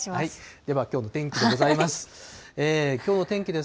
ではきょうの天気でございます。